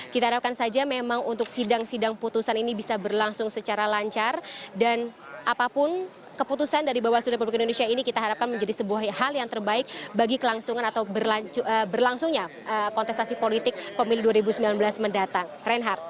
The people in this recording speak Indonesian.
kita harapkan saja memang untuk sidang sidang putusan ini bisa berlangsung secara lancar dan apapun keputusan dari bawaslu republik indonesia ini kita harapkan menjadi sebuah hal yang terbaik bagi kelangsungan atau berlangsungnya kontestasi politik pemilu dua ribu sembilan belas mendatang reinhardt